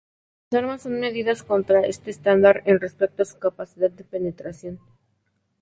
Las armas son medidas contra este estándar en respecto a su capacidad de penetración.